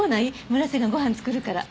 村瀬がご飯作るから。